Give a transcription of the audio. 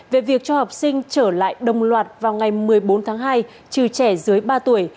về việc cho học sinh trở lại đồng loạt vào ngày một mươi bốn tháng hai trừ trẻ dưới ba tuổi